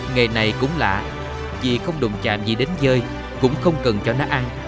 ngày này cũng lạ vì không đụng chạm gì đến dơi cũng không cần cho nó ăn